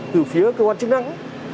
từ phía cơ quan chức năng